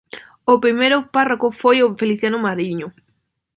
O primeiro párroco foi o Feliciano Mariño.